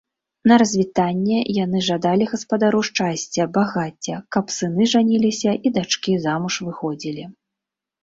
На развітанне яны жадалі гаспадару шчасця, багацця, каб сыны жаніліся і дачкі замуж выходзілі.